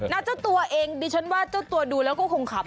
เจ้าตัวเองดิฉันว่าเจ้าตัวดูแล้วก็คงขำ